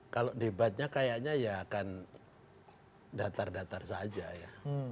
kalau debatnya kayaknya ya akan datar datar saja ya